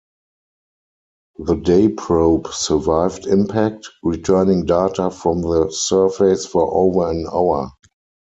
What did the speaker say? The Day Probe survived impact, returning data from the surface for over an hour.